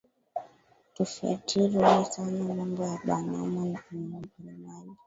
Tufwatirye sana mambo ya ba mama na urimaji